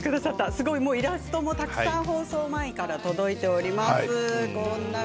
すごいイラストもたくさん放送前から届いております。